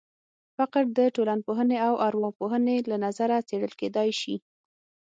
فقر د ټولنپوهنې او ارواپوهنې له نظره څېړل کېدای شي.